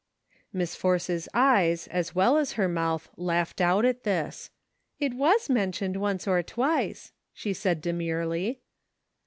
Miss Force's eyes, as well as her mouth, laughed out at this. " It was mentioned once or twice," she said demurely.